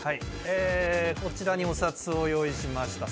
こちらにお札を用意しました。